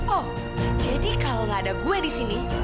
oh jadi kalau nggak ada gue di sini